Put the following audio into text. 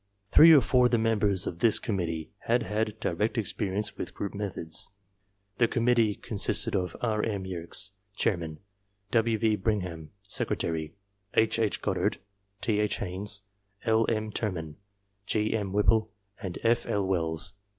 Three or four of the members of this committee had had direct experience with group methods. 1 2 ARMY MENTAL TESTS The committee consisted of R. M. Yerkes, Chairman; W. V. Bingham, Secretary; H. H. Goddard, T. H. Haines, L. M. Ter man, G. M. Whipple, and F. L. Wells.